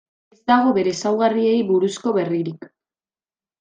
Ez dago bere ezaugarriei buruzko berririk.